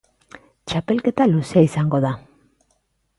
Txapelketa luzea izango da.